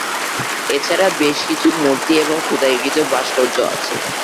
এছাড়া বেশ কিছু মূর্তি এবং খোদাইকৃত ভাস্কর্য আছে।